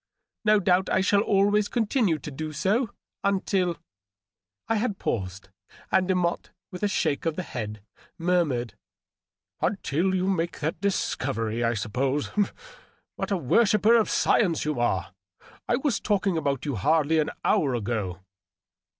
" No doubt I shall always continue to do so, until .." I had paused, and Demotte, with a shake of the head, murmured^ "Until you make that mighty discovery, I suppose. What a wor shipper of science you are ! I was talking about you hardly an hour ago."